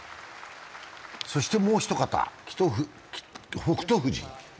そしてもう一方、北勝富士。